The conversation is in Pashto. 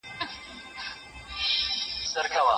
ما وې زه به تشوم پیالې د میو نصیب نه وو.